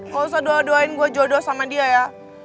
gak usah doa doain gue jodoh sama dia ya